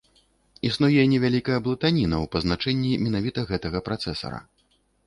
Існуе невялікая блытаніна ў пазначэнні менавіта гэтага працэсара.